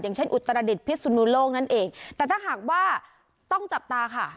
อย่างเช่นอุตรดิษฐพิสุนุโลกนั่นเองแต่ถ้าหากว่าต้องจับตาค่ะ